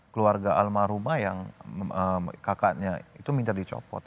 keluarga almarhumah yang kakaknya itu minta dicopot